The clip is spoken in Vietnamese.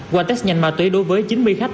qua test nhanh ma túy đối với chín mươi khách